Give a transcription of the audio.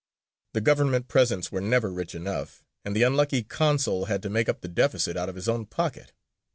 The government presents were never rich enough, and the unlucky consul had to make up the deficit out of his own pocket.